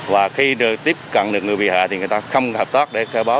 và khi được tiếp cận được người bị hạ thì người ta không hợp tác để khai báo